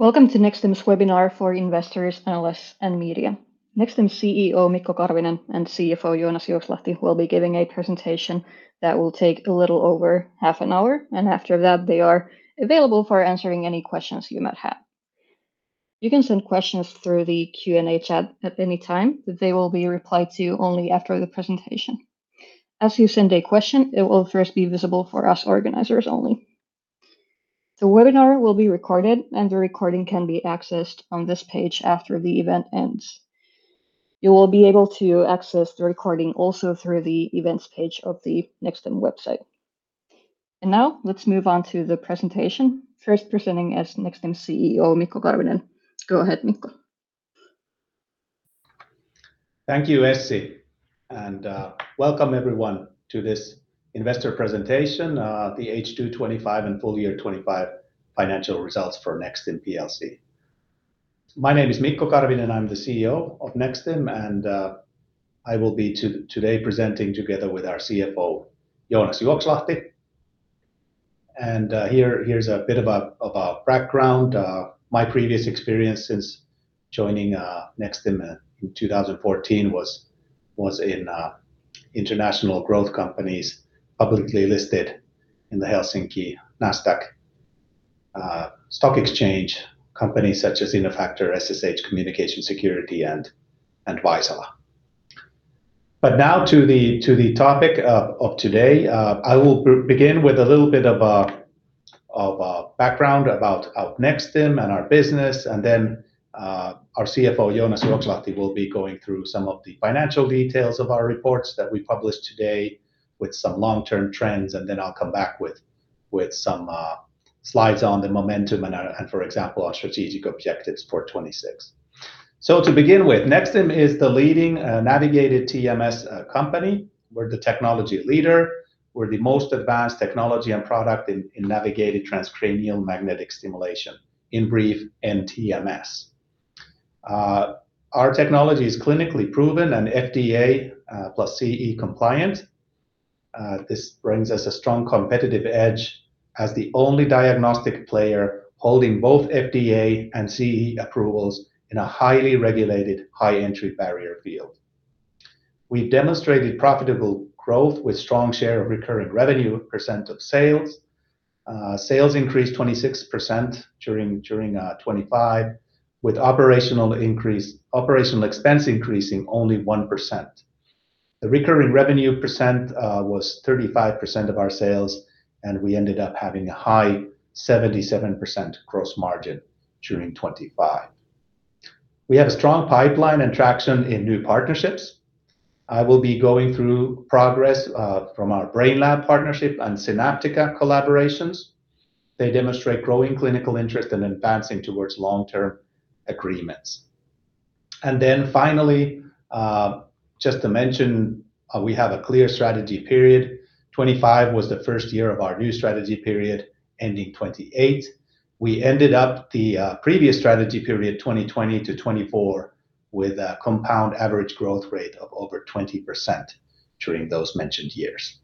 Welcome to Nexstim's webinar for investors, analysts, and media. Nexstim's CEO, Mikko Karvinen, and CFO, Joonas Juokslahti, will be giving a presentation that will take a little over half an hour. After that, they are available for answering any questions you might have. You can send questions through the Q&A chat at any time. They will be replied to only after the presentation. As you send a question, it will first be visible for us organizers only. The webinar will be recorded. The recording can be accessed on this page after the event ends. You will be able to access the recording also through the Events page of the Nexstim website. Now, let's move on to the presentation. First presenting is Nexstim's CEO, Mikko Karvinen. Go ahead, Mikko. Thank you, Essi, and welcome everyone to this investor presentation, the H2 2025 and full year 2025 financial results for Nexstim PLC. My name is Mikko Karvinen, I'm the CEO of Nexstim, and I will be today presenting together with our CFO, Joonas Juokslahti. Here's a bit of a background. My previous experience since joining Nexstim in 2014 was in international growth companies, publicly listed in the Nasdaq Helsinki Stock Exchange. Companies such as Innofactor, SSH Communications Security, and Vaisala. Now to the topic of today. I will begin with a little bit of a background about Nexstim and our business, and then our CFO, Joonas Juokslahti, will be going through some of the financial details of our reports that we published today with some long-term trends, and then I'll come back with some slides on the momentum and, for example, our strategic objectives for 2026. To begin with, Nexstim is the leading navigated TMS company. We're the technology leader. We're the most advanced technology and product in navigated transcranial magnetic stimulation, in brief, nTMS. Our technology is clinically proven and FDA plus CE compliant. This brings us a strong competitive edge as the only diagnostic player holding both FDA and CE approvals in a highly regulated, high entry-barrier field. We've demonstrated profitable growth with strong share of recurring revenue percentage of sales. Sales increased 26% during 2025, with OpEx increasing only 1%. The recurring revenue percent, was 35% of our sales, and we ended up having a high 77% gross margin during 2025. We have a strong pipeline and traction in new partnerships. I will be going through progress from our Brainlab partnership and Sinaptica collaborations. They demonstrate growing clinical interest and advancing towards long-term agreements. Finally, just to mention, we have a clear strategy period. 2025 was the first year of our new strategy period, ending 2028. We ended up the previous strategy period, 2020-2024, with a compound average growth rate of over 20% during those mentioned years.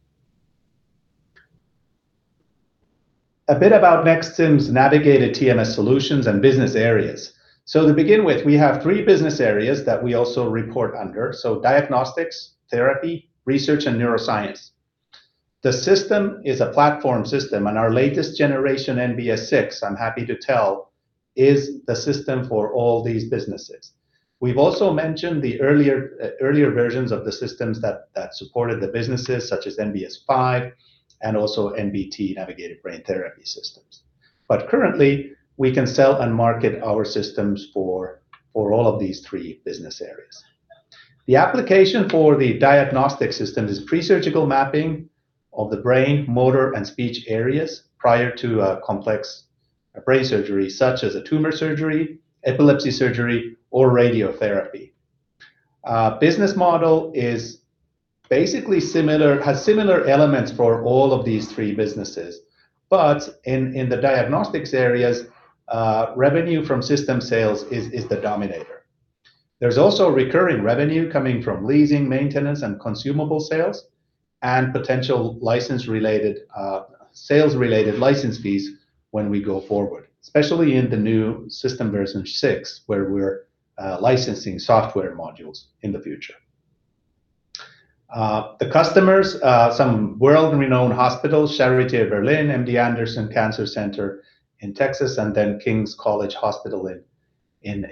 A bit about Nexstim's navigated TMS solutions and business areas. To begin with, we have three business areas that we also report under: diagnostics, therapy, research, and neuroscience. The system is a platform system, and our latest generation, NBS 6, I'm happy to tell, is the system for all these businesses. We've also mentioned the earlier versions of the systems that supported the businesses, such as NBS 5 and also NBT, Navigated Brain Therapy systems. Currently, we can sell and market our systems for all of these three business areas. The application for the diagnostic system is pre-surgical mapping of the brain, motor, and speech areas prior to complex brain surgery, such as a tumor surgery, epilepsy surgery, or radiotherapy. Business model is basically similar, has similar elements for all of these three businesses, but in the diagnostics areas, revenue from system sales is the dominator. There's also recurring revenue coming from leasing, maintenance, and consumable sales, and potential license-related, sales-related license fees when we go forward, especially in the new System 6, where we're licensing software modules in the future. The customers, some world-renowned hospitals, Charité – Berlin, and the MD Anderson Cancer Center in Texas, and King's College Hospital in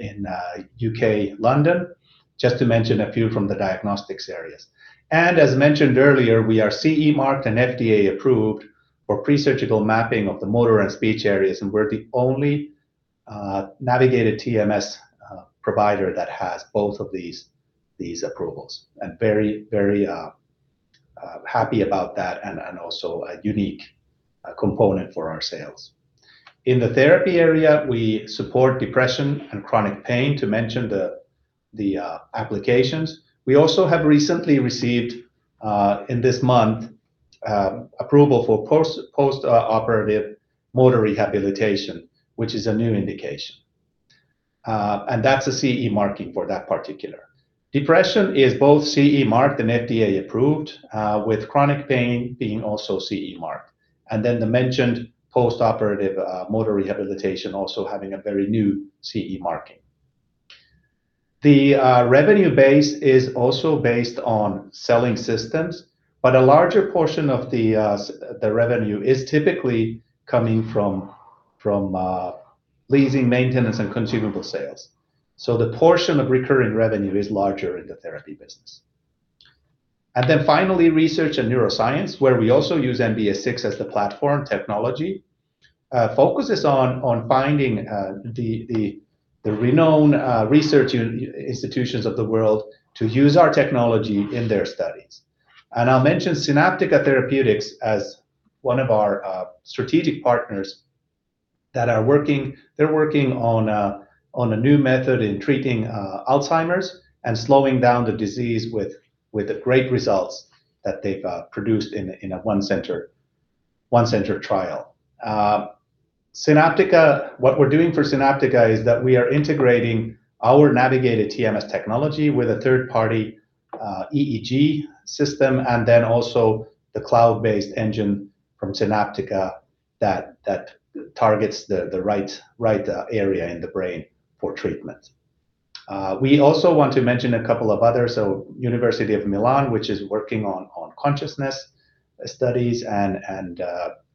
U.K., London, just to mention a few from the diagnostics areas. As mentioned earlier, we are CE marked and FDA approved for pre-surgical mapping of the motor and speech areas, and we're the only navigated TMS provider that has both of these approvals, and very happy about that, and also a unique component for our sales. In the therapy area, we support depression and chronic pain, to mention the applications. We also have recently received in this month approval for post-operative motor rehabilitation, which is a new indication. That's a CE marking for that particular. Depression is both CE marked and FDA approved, with chronic pain being also CE marked, the mentioned post-operative motor rehabilitation also having a very new CE marking. The revenue base is also based on selling systems, a larger portion of the revenue is typically coming from leasing, maintenance, and consumable sales. The portion of recurring revenue is larger in the therapy business. Finally, research and neuroscience, where we also use NBS 6 as the platform technology, focuses on finding the renowned research institutions of the world to use our technology in their studies. I'll mention Sinaptica Therapeutics as one of our strategic partners that are working... They're working on a, on a new method in treating Alzheimer's and slowing down the disease with great results that they've produced in a one-center trial. Sinaptica, what we're doing for Sinaptica is that we are integrating our navigated TMS technology with a third-party EEG system, and then also the cloud-based engine from Sinaptica that targets the right area in the brain for treatment. We also want to mention a couple of others. University of Milan, which is working on consciousness studies and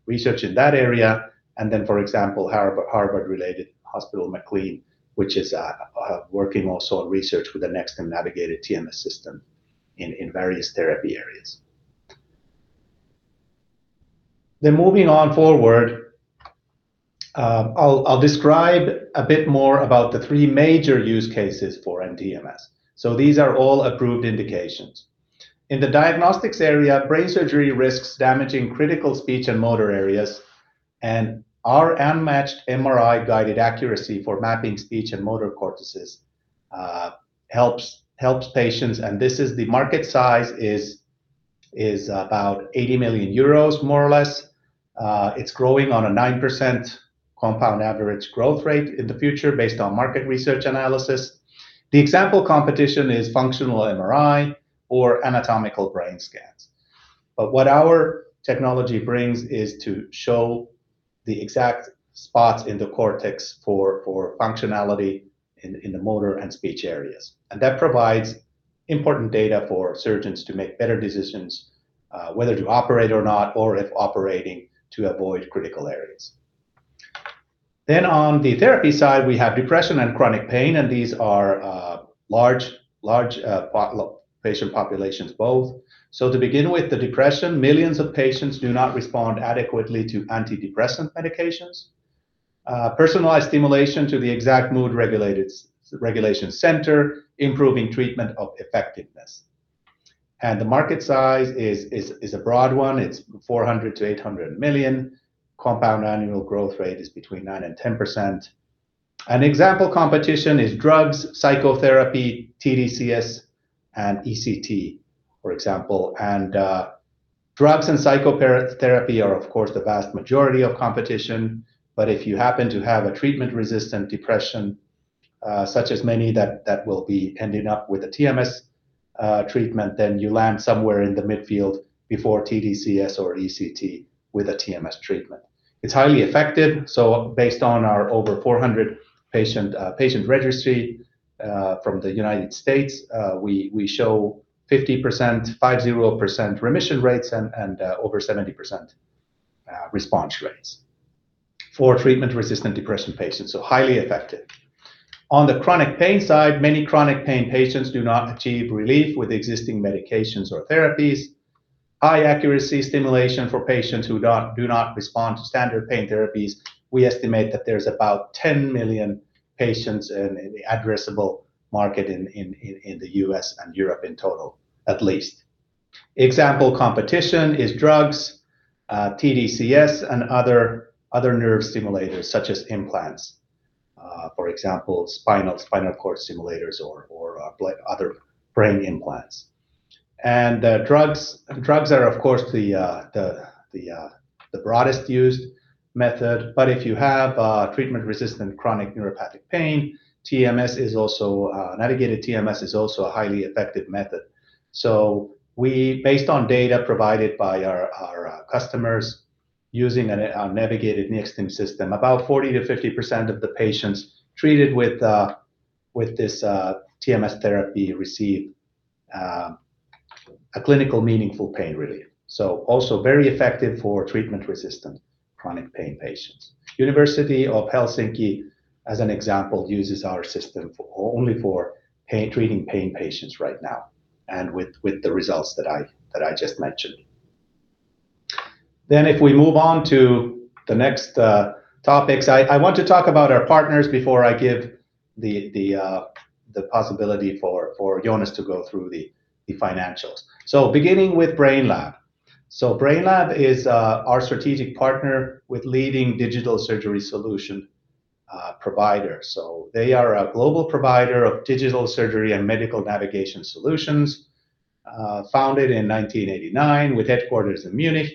research in that area. For example, Harvard-related hospital, McLean, which is working also on research with the Nexstim Navigated TMS system in various therapy areas. Moving on forward, I'll describe a bit more about the three major use cases for nTMS. These are all approved indications. In the diagnostics area, brain surgery risks damaging critical speech and motor areas, and our unmatched MRI-guided accuracy for mapping speech and motor cortices helps patients. This is the market size is about 80 million euros, more or less. It's growing on a 9% compound average growth rate in the future based on market research analysis. The example competition is functional MRI or anatomical brain scans. What our technology brings is to show the exact spots in the cortex for functionality in the motor and speech areas. That provides important data for surgeons to make better decisions, whether to operate or not, or if operating, to avoid critical areas. On the therapy side, we have depression and chronic pain, and these are large patient populations, both. To begin with, the depression, millions of patients do not respond adequately to antidepressant medications. Personalized stimulation to the exact mood regulation center, improving treatment of effectiveness. The market size is a broad one. It's 400 million-800 million. Compound annual growth rate is between 9%-10%. An example competition is drugs, psychotherapy, TDCS, and ECT, for example. Drugs and psychotherapy are, of course, the vast majority of competition. If you happen to have a treatment-resistant depression, such as many that will be ending up with a TMS treatment, you land somewhere in the midfield before TDCS or ECT with a TMS treatment. It's highly effective. Based on our over 400 patient registry from the United States, we show 50% remission rates and over 70% response rates for treatment-resistant depression patients. Highly effective. On the chronic pain side, many chronic pain patients do not achieve relief with existing medications or therapies. High accuracy stimulation for patients who do not respond to standard pain therapies. We estimate that there's about 10 million patients in the addressable market in the U.S. and Europe in total, at least. Example competition is drugs, TDCS, and other nerve stimulators, such as implants. For example, spinal cord simulators or other brain implants. Drugs are of course, the broadest used method. If you have treatment-resistant chronic neuropathic pain, Navigated TMS is also a highly effective method. We, based on data provided by our customers using our navigated Nexstim system, about 40%-50% of the patients treated with this TMS therapy receive a clinical meaningful pain relief. Also very effective for treatment-resistant chronic pain patients. University of Helsinki, as an example, uses our system for treating pain patients right now and with the results that I just mentioned. If we move on to the next topics, I want to talk about our partners before I give the possibility for Joonas to go through the financials. Beginning with Brainlab. Brainlab is our strategic partner with leading digital surgery solution provider. They are a global provider of digital surgery and medical navigation solutions. Founded in 1989 with headquarters in Munich.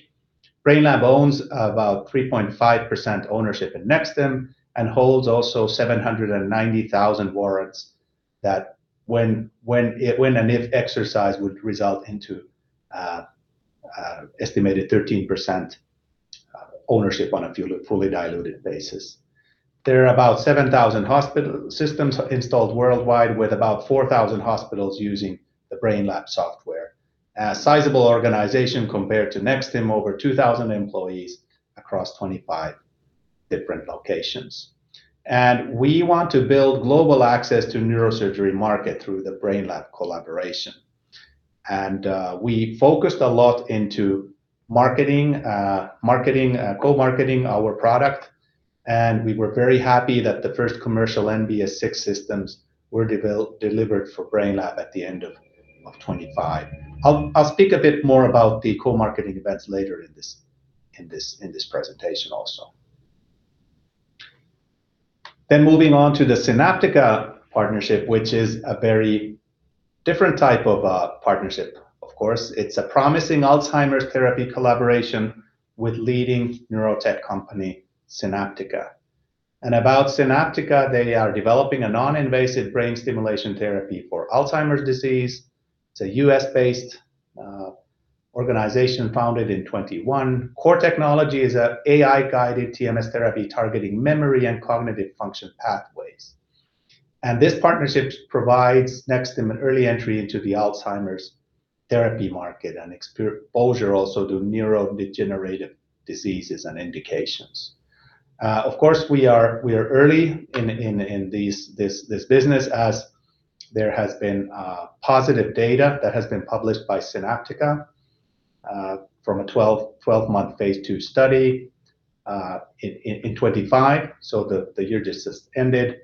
Brainlab owns about 3.5% ownership in Nexstim, and holds also 790,000 warrants that when and if exercised, would result into estimated 13% ownership on a fully diluted basis. There are about 7,000 hospital systems installed worldwide, with about 4,000 hospitals using the Brainlab software. A sizable organization compared to Nexstim, over 2,000 employees across 25 different locations. We want to build global access to neurosurgery market through the Brainlab collaboration. We focused a lot into marketing, co-marketing our product, and we were very happy that the first commercial NBS 6 systems were delivered for Brainlab at the end of 2025. I'll speak a bit more about the co-marketing events later in this presentation also. Moving on to the Sinaptica partnership, which is a very different type of partnership. Of course, it's a promising Alzheimer's therapy collaboration with leading neurotech company, Sinaptica. About Sinaptica, they are developing a non-invasive brain stimulation therapy for Alzheimer's disease. It's a U.S.-based organization founded in 2021. Core technology is a AI-guided TMS therapy, targeting memory and cognitive function pathways. This partnership provides Nexstim an early entry into the Alzheimer's therapy market and exposure also to neurodegenerative diseases and indications. Of course, we are early in this business, as there has been positive data that has been published by Sinaptica from a 12-month phase II study in 2025, so the year just has ended.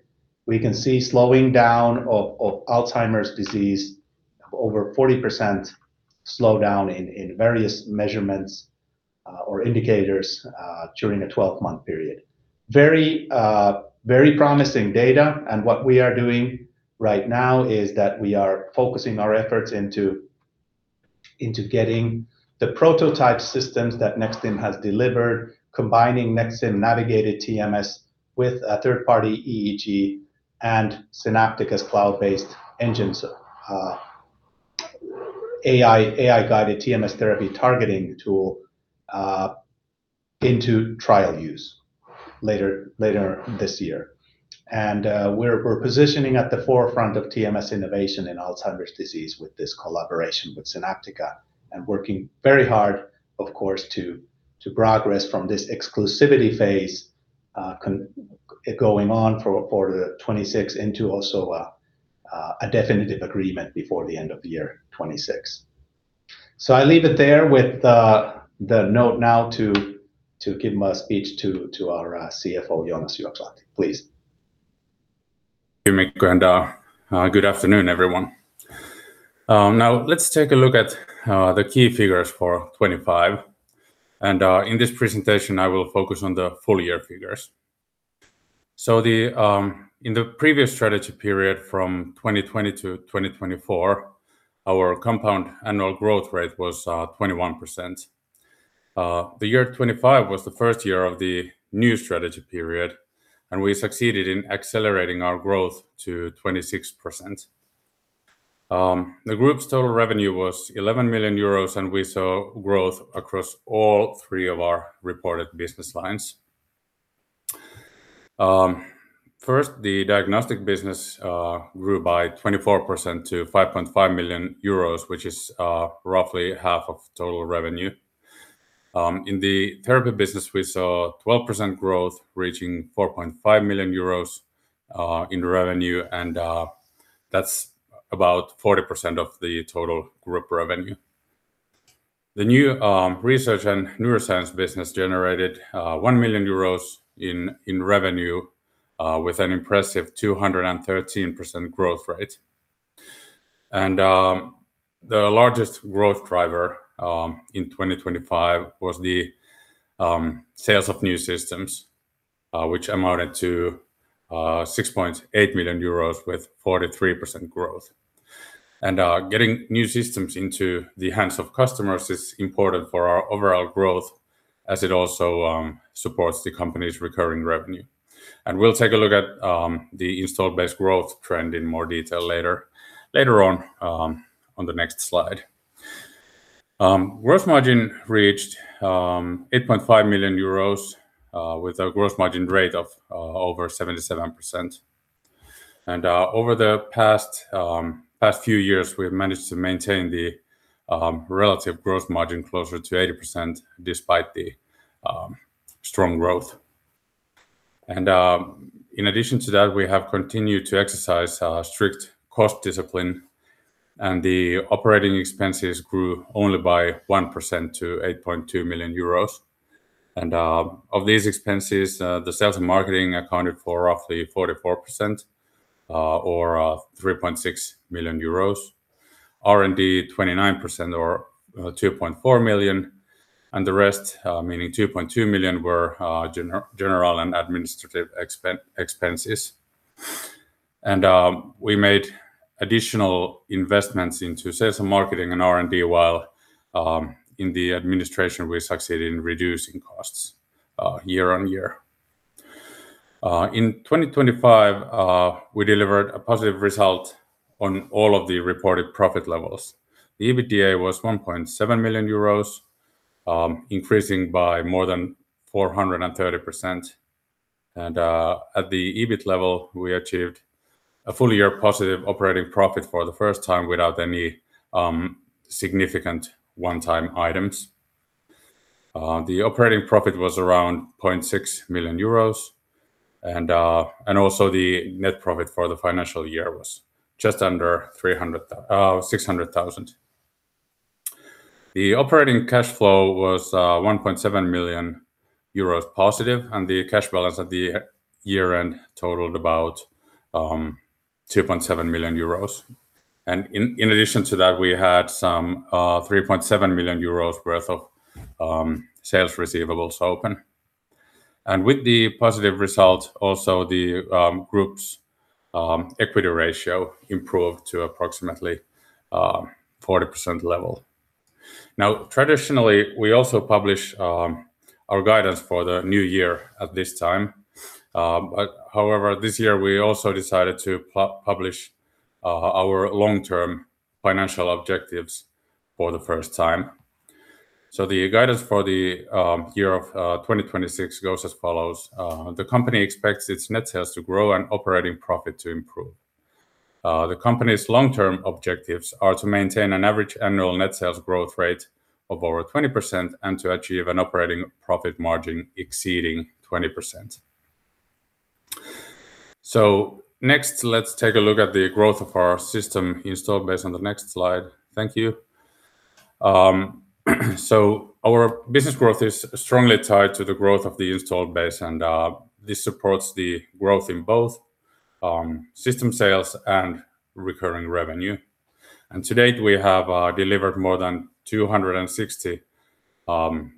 We can see slowing down of Alzheimer's disease, over 40% slowdown in various measurements or indicators during a 12-month period. Very promising data, and what we are doing right now is that we are focusing our efforts into getting the prototype systems that Nexstim has delivered, combining Nexstim-navigated TMS with a third-party EEG and Sinaptica's cloud-based engines, AI-guided TMS therapy targeting tool, into trial use later this year. We're positioning at the forefront of TMS innovation in Alzheimer's disease with this collaboration with Sinaptica, working very hard, of course, to progress from this exclusivity phase, going on for the 2026 into also a definitive agreement before the end of the year 2026. I leave it there with the note now to give my speech to our CFO, Joonas Juokslahti, please. Thank you, Mikko, and good afternoon, everyone. Now let's take a look at the key figures for 2025. In this presentation, I will focus on the full year figures. The, in the previous strategy period, from 2020 to 2024, our compound annual growth rate was 21%. The year 2025 was the first year of the new strategy period, and we succeeded in accelerating our growth to 26%. The group's total revenue was 11 million euros, and we saw growth across all three of our reported business lines. First, the diagnostic business grew by 24% to 5.5 million euros, which is roughly half of total revenue. In the therapy business, we saw 12% growth, reaching 4.5 million euros in revenue, that's about 40% of the total group revenue. The new research and neuroscience business generated 1 million euros in revenue with an impressive 213% growth rate. The largest growth driver in 2025 was the sales of new systems, which amounted to 6.8 million euros with 43% growth. Getting new systems into the hands of customers is important for our overall growth, as it also supports the company's recurring revenue. We'll take a look at the installed base growth trend in more detail later on on the next slide. Growth margin reached 8.5 million euros with a growth margin rate of over 77%. Over the past few years, we've managed to maintain the relative growth margin closer to 80%, despite the strong growth. In addition to that, we have continued to exercise a strict cost discipline, and the operating expenses grew only by 1% to 8.2 million euros. Of these expenses, the sales and marketing accounted for roughly 44%, or 3.6 million euros. R&D, 29% or 2.4 million, and the rest, meaning 2.2 million, were general and administrative expenses.... We made additional investments into sales and marketing and R&D, while in the administration, we succeeded in reducing costs year-on-year. In 2025, we delivered a positive result on all of the reported profit levels. The EBITDA was 1.7 million euros, increasing by more than 430%. At the EBIT level, we achieved a full year positive operating profit for the first time without any significant one-time items. The operating profit was around 0.6 million euros, and also the net profit for the financial year was just under 600,000. The operating cash flow was 1.7 million euros positive, and the cash balance at the year-end totaled about 2.7 million euros. In addition to that, we had some 3.7 million euros worth of sales receivables open. With the positive result, also the group's equity ratio improved to approximately 40% level. Now, traditionally, we also publish our guidance for the new year at this time. However, this year, we also decided to publish our long-term financial objectives for the first time. The guidance for the year of 2026 goes as follows: The company expects its net sales to grow and operating profit to improve. The company's long-term objectives are to maintain an average annual net sales growth rate of over 20% and to achieve an operating profit margin exceeding 20%. Next, let's take a look at the growth of our system installed base on the next slide. Thank you. Our business growth is strongly tied to the growth of the installed base, this supports the growth in both system sales and recurring revenue. To date, we have delivered more than 260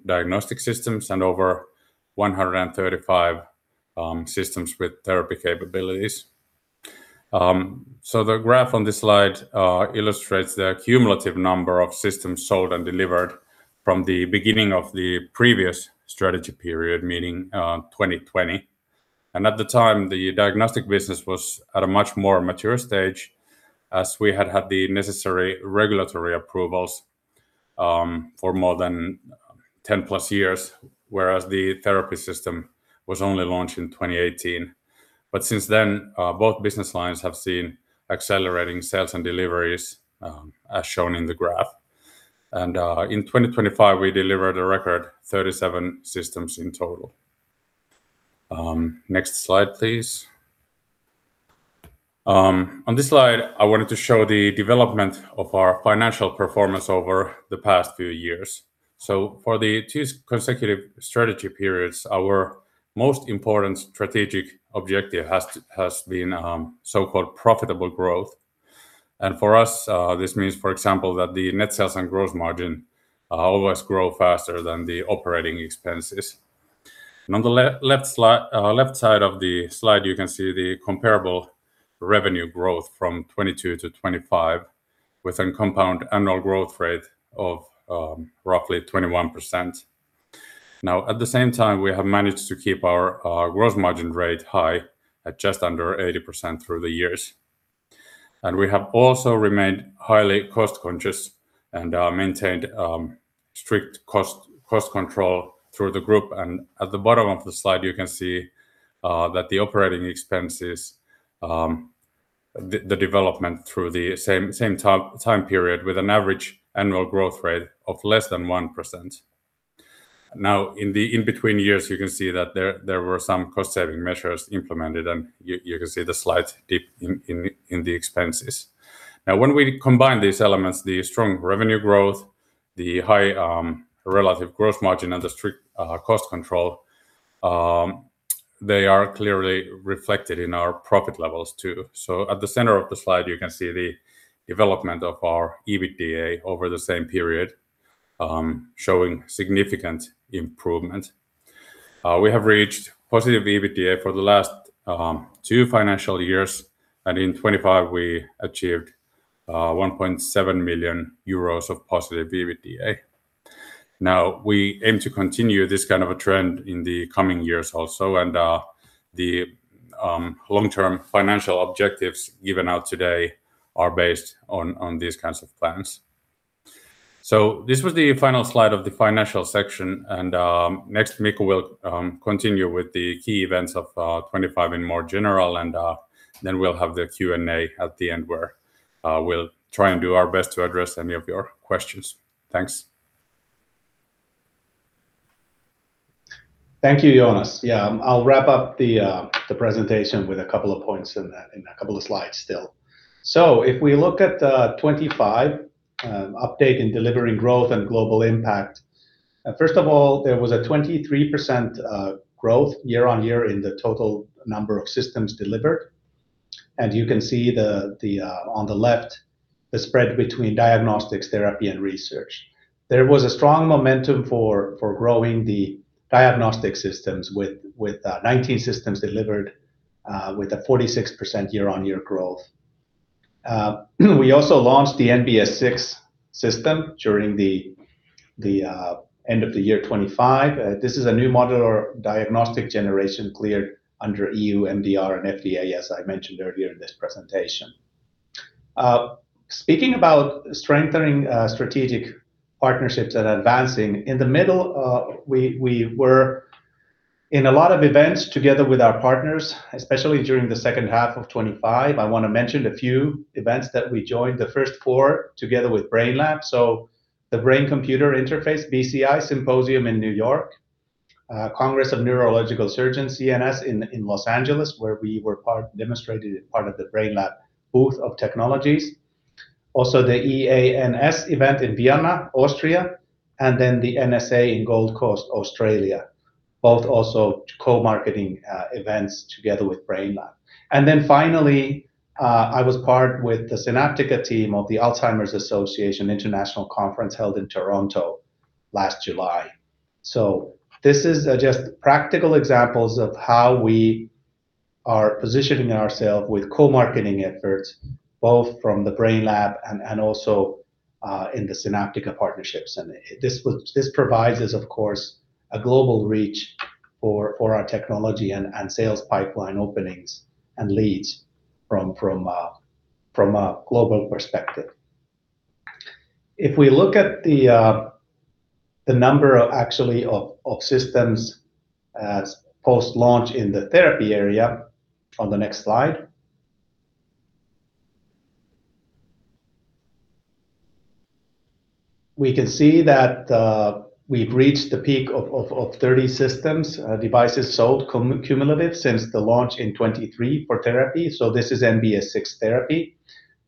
diagnostic systems and over 135 systems with therapy capabilities. The graph on this slide illustrates the cumulative number of systems sold and delivered from the beginning of the previous strategy period, meaning 2020. At the time, the diagnostic business was at a much more mature stage, as we had had the necessary regulatory approvals for more than 10+ years, whereas the therapy system was only launched in 2018. Since then, both business lines have seen accelerating sales and deliveries, as shown in the graph. In 2025, we delivered a record 37 systems in total. Next slide, please. On this slide, I wanted to show the development of our financial performance over the past few years. For the two consecutive strategy periods, our most important strategic objective has been so-called profitable growth. For us, this means, for example, that the net sales and growth margin always grow faster than the operating expenses. On the left side of the slide, you can see the comparable revenue growth from 2022-2025, with a compound annual growth rate of roughly 21%. Now, at the same time, we have managed to keep our growth margin rate high at just under 80% through the years. We have also remained highly cost-conscious and maintained strict cost control through the group. At the bottom of the slide, you can see that the operating expenses, the development through the same time period, with an average annual growth rate of less than 1%. In between years, you can see that there were some cost-saving measures implemented, and you can see the slight dip in the expenses. When we combine these elements, the strong revenue growth, the high relative growth margin, and the strict cost control, they are clearly reflected in our profit levels, too. At the center of the slide, you can see the development of our EBITDA over the same period, showing significant improvement. We have reached positive EBITDA for the last two financial years. In 2025, we achieved 1.7 million euros of positive EBITDA. We aim to continue this kind of a trend in the coming years also. The long-term financial objectives given out today are based on these kinds of plans. This was the final slide of the financial section. Next, Mikko will continue with the key events of 2025 in more general. We'll have the Q&A at the end, where we'll try and do our best to address any of your questions. Thanks. Thank you, Joonas. Yeah, I'll wrap up the presentation with a couple of points and a couple of slides still. If we look at the 2025 update in delivering growth and global impact, first of all, there was a 23% growth year-on-year in the total number of systems delivered. You can see the spread between diagnostics, therapy, and research. There was a strong momentum for growing the diagnostic systems with 19 systems delivered with a 46% year-on-year growth. We also launched the NBS 6 system during the end of the year 2025. This is a new model or diagnostic generation cleared under EU MDR and FDA, as I mentioned earlier in this presentation. Speaking about strengthening strategic partnerships and advancing, in the middle, we were in a lot of events together with our partners, especially during the second half of 25. I want to mention a few events that we joined, the first four, together with Brainlab. The Brain-Computer Interface, BCI, Symposium in New York, Congress of Neurological Surgeons, CNS, in Los Angeles, where we demonstrated part of the Brainlab booth of technologies. Also, the EANS event in Vienna, Austria, and then the NSA in Gold Coast, Australia, both also co-marketing events together with Brainlab. Finally, I was part with the Sinaptica team of the Alzheimer's Association International Conference held in Toronto last July. This is just practical examples of how we are positioning ourselves with co-marketing efforts, both from Brainlab and also in the Sinaptica partnerships. This provides us, of course, a global reach for our technology and sales pipeline openings and leads from a global perspective. If we look at the number of actually of systems as post-launch in the therapy area on the next slide, we can see that we've reached the peak of 30 systems, devices sold cumulative since the launch in 2023 for therapy. This is NBS 6 therapy.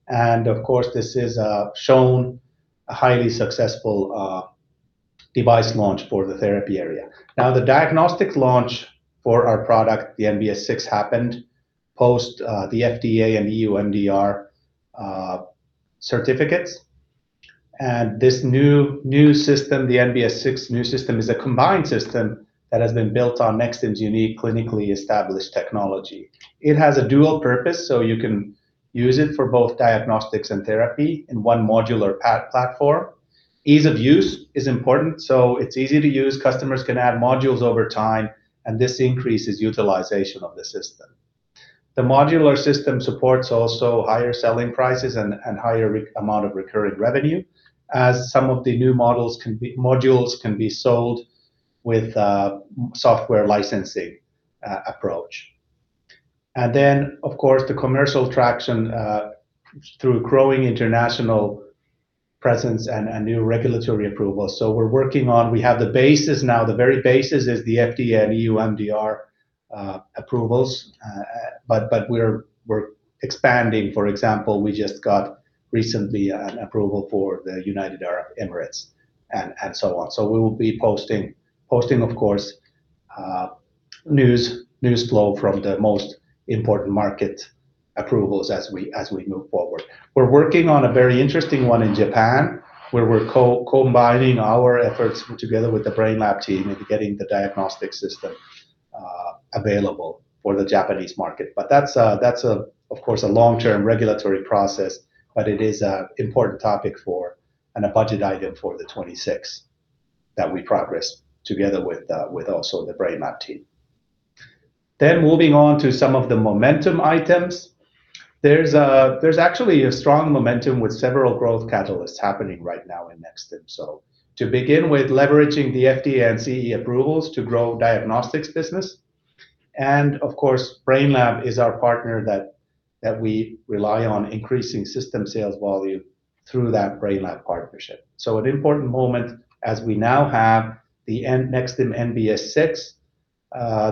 Of course, this is shown a highly successful device launch for the therapy area. The diagnostic launch for our product, the NBS 6, happened post the FDA and EU MDR certificates. This new system, the NBS 6 new system, is a combined system that has been built on Nexstim's unique, clinically established technology. It has a dual purpose, so you can use it for both diagnostics and therapy in one modular platform. Ease of use is important, so it's easy to use. Customers can add modules over time, and this increases utilization of the system. The modular system supports also higher selling prices and higher amount of recurring revenue, as some of the new modules can be sold with a software licensing approach. Of course, the commercial traction through growing international presence and new regulatory approvals. We have the basis now, the very basis is the FDA and EU MDR approvals. But we're expanding. For example, we just got recently an approval for the United Arab Emirates and so on. We will be posting, of course, news flow from the most important market approvals as we move forward. We're working on a very interesting one in Japan, where we're combining our efforts together with the Brainlab team into getting the diagnostic system available for the Japanese market. That's a, of course, a long-term regulatory process, but it is a important topic for and a budget item for the 2026 that we progress together with also the Brainlab team. Moving on to some of the momentum items. There's actually a strong momentum with several growth catalysts happening right now in Nexstim. To begin with, leveraging the FDA and CE approvals to grow diagnostics business, and of course, Brainlab is our partner that we rely on increasing system sales volume through that Brainlab partnership. An important moment as we now have the Nexstim NBS 6,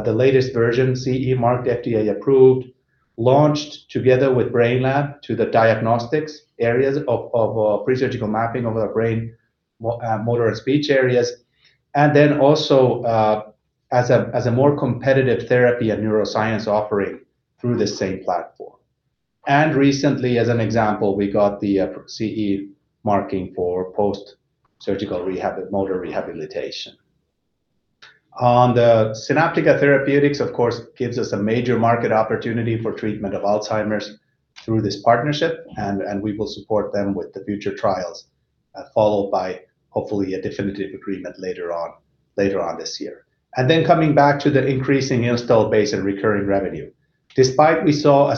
the latest version, CE marked, FDA approved, launched together with Brainlab to the diagnostics areas of presurgical mapping of the brain motor and speech areas, and then also as a more competitive therapy and neuroscience offering through the same platform. Recently, as an example, we got the CE marking for post-surgical rehab, motor rehabilitation. On the Sinaptica Therapeutics, of course, gives us a major market opportunity for treatment of Alzheimer's through this partnership, and we will support them with the future trials, followed by hopefully a definitive agreement later on this year. Coming back to the increasing installed base and recurring revenue. Despite we saw a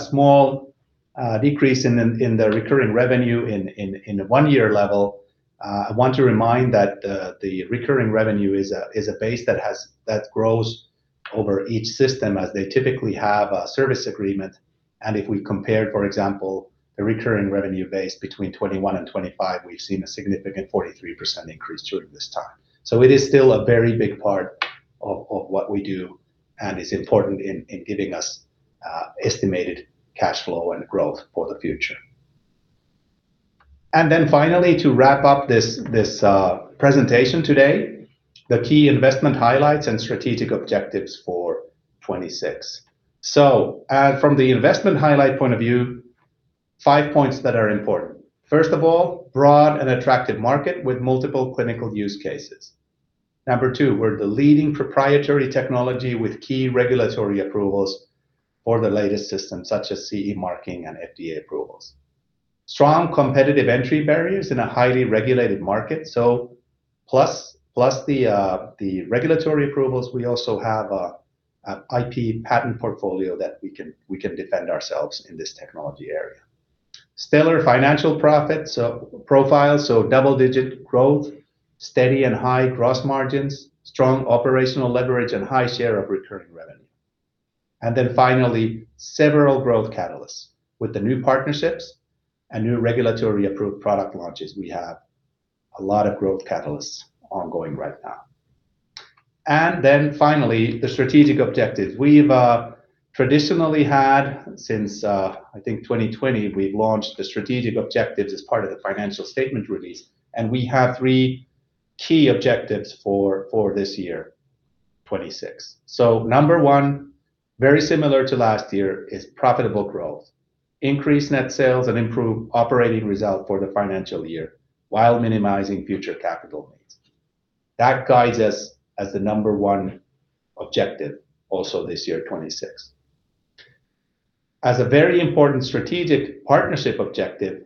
small decrease in the recurring revenue in the one-year level, I want to remind that the recurring revenue is a base that grows over each system as they typically have a service agreement. If we compare, for example, the recurring revenue base between 2021 and 2025, we've seen a significant 43% increase during this time. It is still a very big part of what we do and is important in giving us estimated cash flow and growth for the future. Finally, to wrap up this presentation today, the key investment highlights and strategic objectives for 2026. From the investment highlight point of view, five points that are important. First of all, broad and attractive market with multiple clinical use cases. Number two, we're the leading proprietary technology with key regulatory approvals for the latest systems, such as CE marking and FDA approvals. Strong competitive entry barriers in a highly regulated market. Plus the regulatory approvals, we also have an IP patent portfolio that we can defend ourselves in this technology area. Stellar financial profits, profiles, double-digit growth, steady and high gross margins, strong operational leverage, and high share of recurring revenue. Several growth catalysts. With the new partnerships and new regulatory approved product launches, we have a lot of growth catalysts ongoing right now. The strategic objectives. We've traditionally had since, I think 2020, we've launched the strategic objectives as part of the financial statement release, and we have three key objectives for this year, 2026. Number one, very similar to last year, is profitable growth. Increase net sales and improve operating result for the financial year, while minimizing future capital needs. That guides us as the number one objective also this year, 2026. As a very important strategic partnership objective,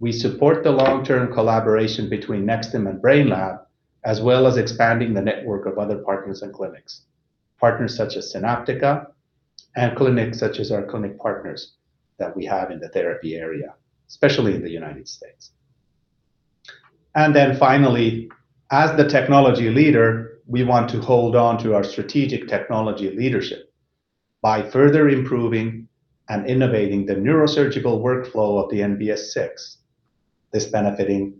we support the long-term collaboration between Nexstim and Brainlab, as well as expanding the network of other partners and clinics. Partners such as Sinaptica, and clinics such as our clinic partners that we have in the therapy area, especially in the United States. Finally, as the technology leader, we want to hold on to our strategic technology leadership by further improving and innovating the neurosurgical workflow of the NBS-6. This benefiting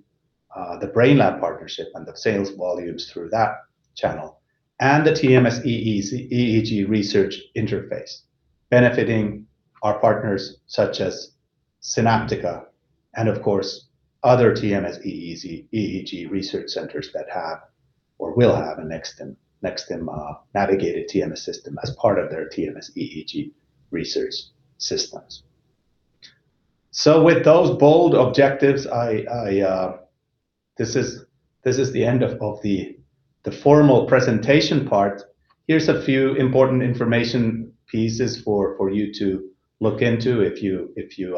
the Brainlab partnership and the sales volumes through that channel, and the TMS-EEG research interface, benefiting our partners such as Sinaptica, and of course, other TMS-EEG research centers that have or will have a Nexstim navigated TMS system as part of their TMS-EEG research systems. With those bold objectives, I, this is the end of the formal presentation part. Here's a few important information pieces for you to look into if you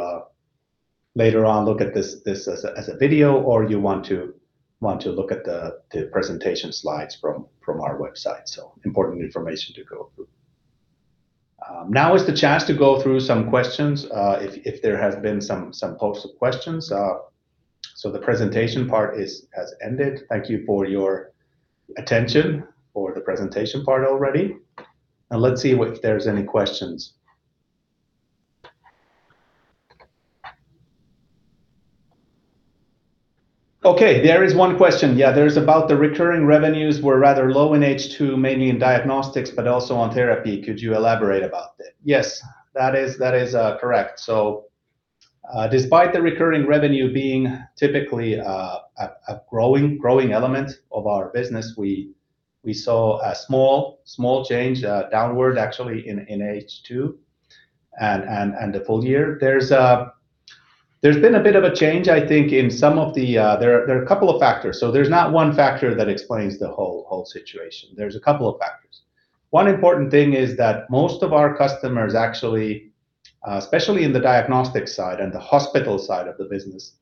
later on look at this as a video, or you want to look at the presentation slides from our website. Important information to go through. Now is the chance to go through some questions, if there has been some posted questions. The presentation part has ended. Thank you for your attention for the presentation part already. Let's see if there's any questions. Okay, there is one question. There is about the recurring revenues were rather low in H2, mainly in diagnostics, but also on therapy. Could you elaborate about it? Yes, that is correct. Despite the recurring revenue being typically a growing element of our business, we saw a small change downward actually in H2 and the full year. There's been a bit of a change, I think, in some of the... There are a couple of factors. There's not one factor that explains the whole situation. There's a couple of factors. One important thing is that most of our customers, actually, especially in the diagnostic side and the hospital side of the business,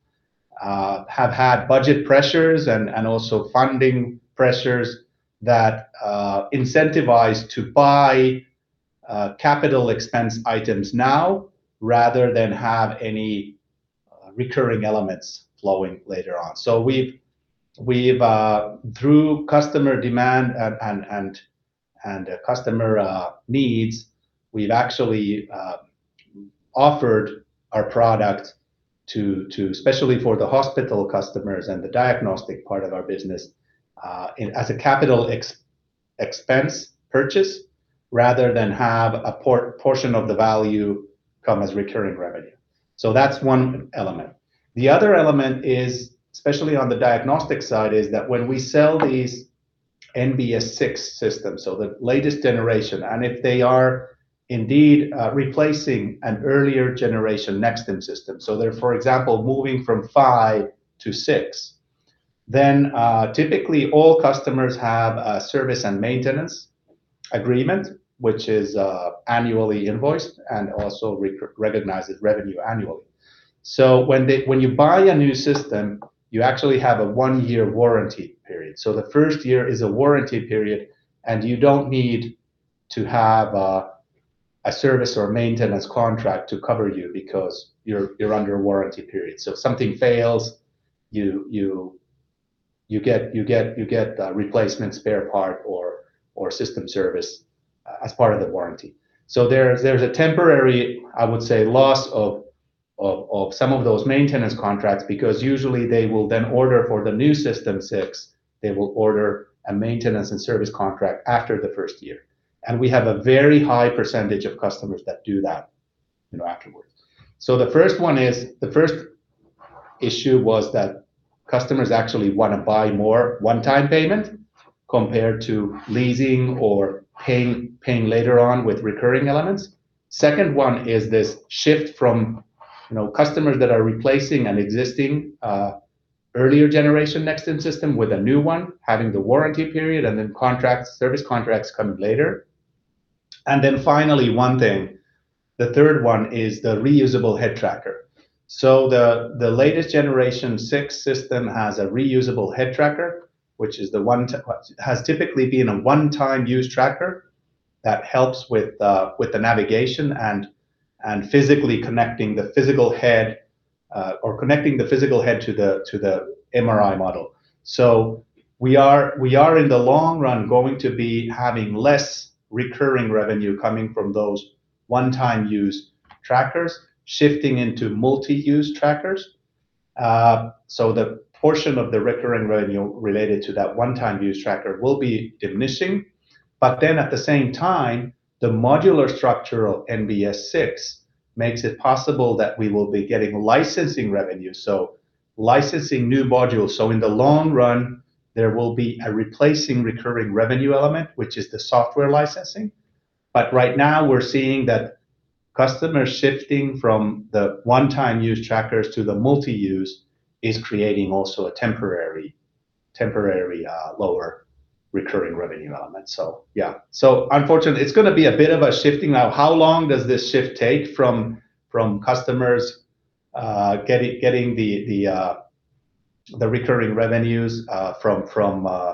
have had budget pressures and also funding pressures that incentivize to buy capital expense items now, rather than have any recurring elements flowing later on. We've through customer demand and customer needs, we've actually offered our product to especially for the hospital customers and the diagnostic part of our business as a capital expense purchase, rather than have a portion of the value come as recurring revenue. That's one element. The other element is, especially on the diagnostic side, is that when we sell these NBS-6 systems, the latest generation, and if they are indeed replacing an earlier generation Nexstim system, they're, for example, moving from five to six, then typically all customers have a service and maintenance agreement, which is annually invoiced and also recognizes revenue annually. When you buy a new system, you actually have a one-year warranty period. The first year is a warranty period, and you don't need to have a service or maintenance contract to cover you because you're under a warranty period. If something fails, you get a replacement spare part or system service as part of the warranty. There's a temporary, I would say, loss of some of those maintenance contracts, because usually they will then order for the new NBS 6, they will order a maintenance and service contract after the first year. We have a very high percentage of customers that do that, you know, afterwards. The first one is, the first issue was that customers actually want to buy more one-time payment compared to leasing or paying later on with recurring elements. Second one is this shift from, you know, customers that are replacing an existing, earlier generation Nexstim system with a new one, having the warranty period and then contracts, service contracts come later. Finally, one thing, the third one is the reusable head tracker. The, the latest Generation 6 system has a reusable head tracker, which is the one-time, has typically been a one-time use tracker that helps with the navigation and physically connecting the physical head, or connecting the physical head to the, to the MRI model. We are, we are in the long run going to be having less recurring revenue coming from those one-time use trackers shifting into multi-use trackers. Uh, so the portion of the recurring revenue related to that one-time use tracker will be diminishing, but then at the same time, the modular structure of NBS 6 makes it possible that we will be getting licensing revenue, so licensing new modules. So in the long run, there will be a replacing recurring revenue element, which is the software licensing. But right now, we're seeing that customers shifting from the one-time use trackers to the multi-use is creating also a temporary, temporary, uh, lower recurring revenue element. So yeah, so unfortunately, it's going to be a bit of a shifting. Now, how long does this shift take from, from customers, uh, getting, getting the, the, uh, the recurring revenues, uh, from, from, uh,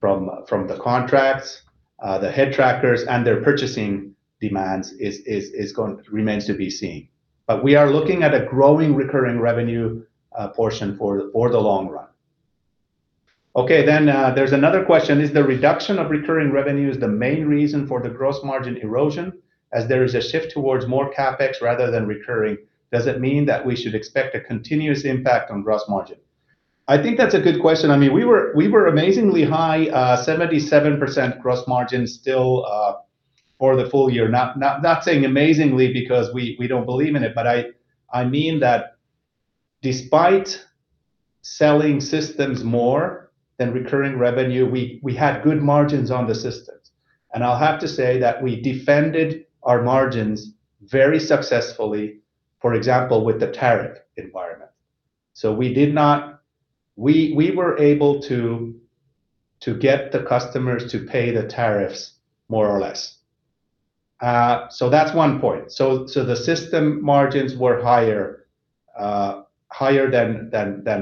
from, from the contracts, uh, the head trackers and their purchasing demands is, is, is going-- remains to be seen. We are looking at a growing recurring revenue portion for the long run. There's another question: Is the reduction of recurring revenues the main reason for the gross margin erosion, as there is a shift towards more CapEx rather than recurring? Does it mean that we should expect a continuous impact on gross margin? I think that's a good question. We were amazingly high 77% gross margin still for the full year. Not saying amazingly because we don't believe in it, but I mean that despite selling systems more than recurring revenue, we had good margins on the systems. I'll have to say that we defended our margins very successfully, for example, with the tariff environment. We were able to get the customers to pay the tariffs more or less. That's one point. The system margins were higher than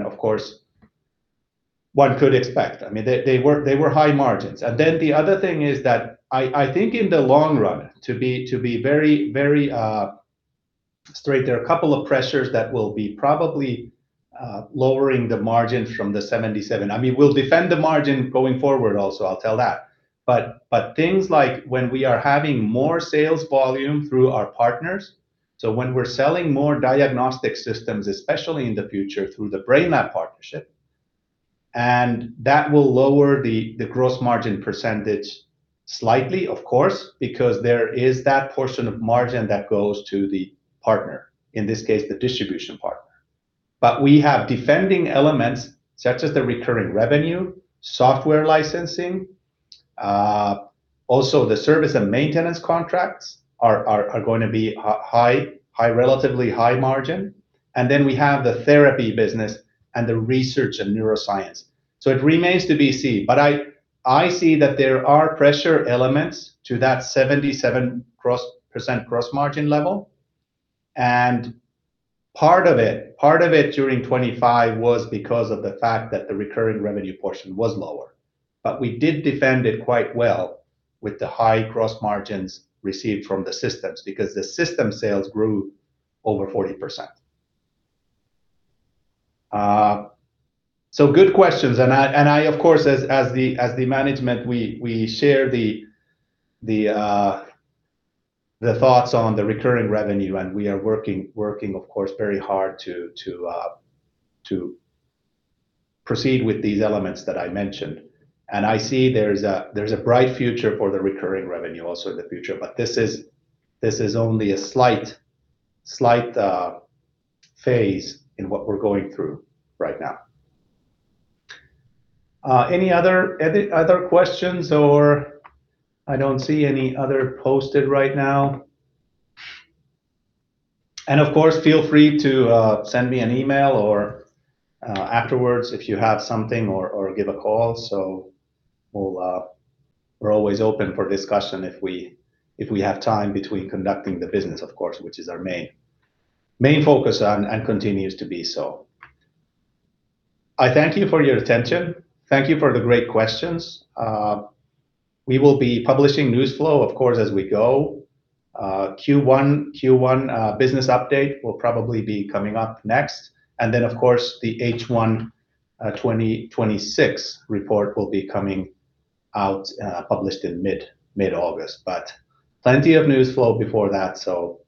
of course, one could expect. I mean, they were high margins. The other thing is that I think in the long run, to be very, very straight, there are a couple of pressures that will be probably lowering the margin from the 77. I mean, we'll defend the margin going forward also, I'll tell that. Things like when we are having more sales volume through our partners, when we're selling more diagnostic systems, especially in the future, through the Brainlab partnership, and that will lower the gross margin % slightly, of course, because there is that portion of margin that goes to the partner, in this case, the distribution partner. We have defending elements such as the recurring revenue, software licensing, also the service and maintenance contracts are going to be high, relatively high margin, and then we have the therapy business and the research in neuroscience. It remains to be seen. I see that there are pressure elements to that 77% gross margin level, and part of it during 2025 was because of the fact that the recurring revenue portion was lower. We did defend it quite well with the high cross margins received from the systems, because the system sales grew over 40%. So good questions, and I, and I, of course, as the, as the management, we share the, the thoughts on the recurring revenue, and we are working, of course, very hard to, to proceed with these elements that I mentioned. I see there's a, there's a bright future for the recurring revenue also in the future, but this is, this is only a slight, phase in what we're going through right now. Any other, any other questions, or? I don't see any other posted right now. Of course, feel free to send me an email or afterwards if you have something, or give a call. We'll, we're always open for discussion if we, if we have time between conducting the business, of course, which is our main focus and continues to be so. I thank you for your attention. Thank you for the great questions. We will be publishing news flow, of course, as we go. Q1 business update will probably be coming up next, and then, of course, the H1 2026 report will be coming out, published in mid-August, but plenty of news flow before that, so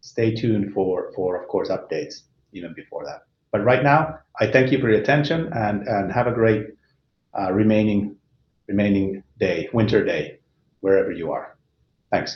stay tuned for, of course, updates even before that. Right now, I thank you for your attention, and have a great remaining day, winter day, wherever you are. Thanks.